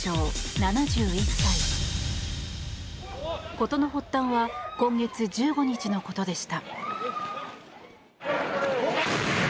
事の発端は今月１５日のことでした。